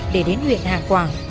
để đến huyện hạ quảng